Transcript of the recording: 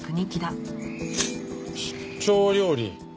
「出張料理」